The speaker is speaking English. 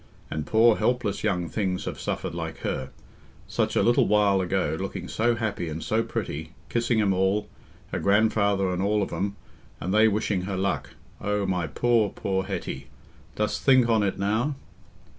and poor helpless young things have suffered like her.... Such a little while ago looking so happy and so pretty... kissing 'em all, her grandfather and all of 'em, and they wishing her luck.... O my poor, poor Hetty... dost think on it now?"